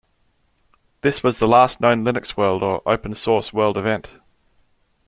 This was the last known LinuxWorld or OpenSource World event.